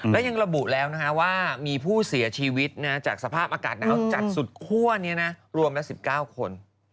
แล้วยังระบุแล้วว่ามีผู้เสียชีวิตจากสภาพอากาศหนาวจัดสุดคั่วนี้นะรวมละ๑๙คน